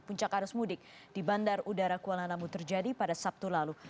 puncak arus mudik di bandar udara kuala namu terjadi pada sabtu lalu